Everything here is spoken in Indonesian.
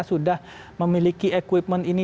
sudah memiliki equipment ini